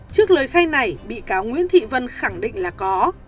trước lời khai này bị cáo nguyễn thị vân khẳng định là có